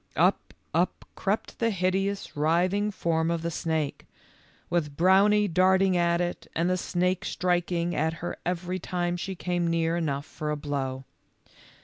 Up, up crept the hideous writhing form of the snake, with Brownie darting at it and the snake striking at her every time she came near enough for a blow.